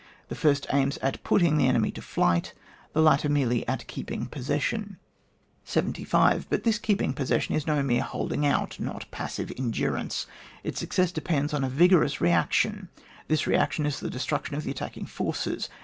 The first aims at putting the enemy to fight ; the latter merely at keeping possession. 75. But this keeping possession is no mere holding out, not passive endurance ; its success depends on a vigorous re action. This re action is the destruction of the attacking forces.